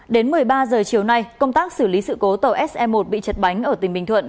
đến một mươi ba h chiều nay công tác xử lý sự cố tàu se một bị chật bánh ở tỉnh bình thuận